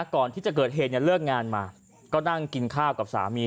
ก่อนที่จะเกิดเหตุเนี่ยเลิกงานมาก็นั่งกินข้าวกับสามี